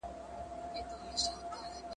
رپېدلی پر خیبر وي ړندې سترګي د اغیار کې `